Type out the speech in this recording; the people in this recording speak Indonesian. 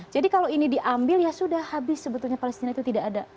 jadi kalau ini diambil ya sudah habis sebetulnya palestina itu tidak ada